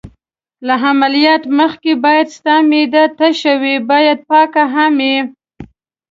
له عملیاتو مخکې باید ستا معده تشه وي، باید پاک هم یې.